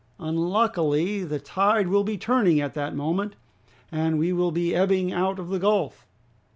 Unluckily, the tide will be turning at that moment, and will be ebbing out of the gulf.